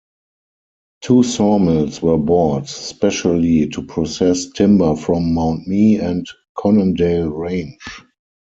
Two sawmills were bought specially to process timber from Mount Mee and Conondale Range.